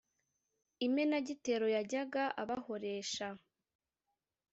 imenagitero yajyaga abahoresha